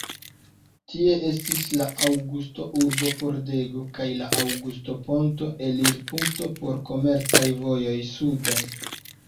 Tie estis la Aŭgusto-urbopordego kaj la Aŭgusto-ponto, elirpunkto por komercaj vojoj suden.